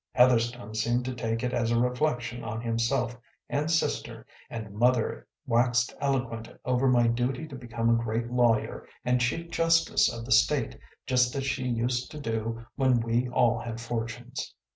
Heatherstone seemed to take it as a reflection on himself and Sister, and Mother waxed eloquent over my duty to become a great lawyer and chief justice of the state just as she used to do when we all had fortunes.